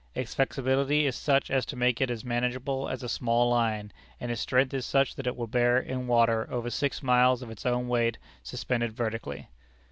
Its flexibility is such as to make it as manageable as a small line, and its strength such that it will bear, in water, over six miles of its own weight suspended vertically.'